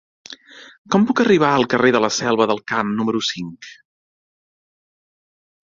Com puc arribar al carrer de la Selva del Camp número cinc?